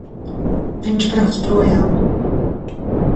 Viņš brauc projām!